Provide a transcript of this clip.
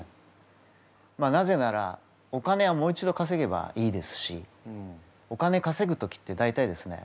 なぜならお金はもう一度かせげばいいですしお金かせぐ時って大体ですね